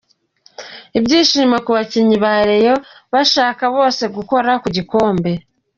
Ibyishimo ku bakinnyi ba Rayon bashaka bose gukora ku gikombe.